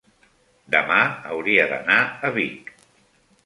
demà hauria d'anar a Vic.